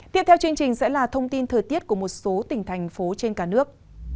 tiếp theo chương trình sẽ là thông tin thời tiết của một số tỉnh thành phố trên cả nước